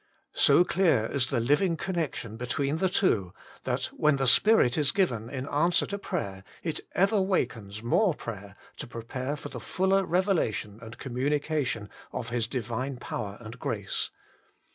So clear is the living connection between the two, that when the Spirit is given in answer to prayer it ever wakens more prayer to prepare for the fuller revelation and communication of His Divine power and grace.